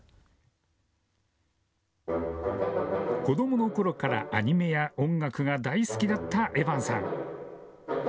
子どものころからアニメや音楽が大好きだったエバンさん。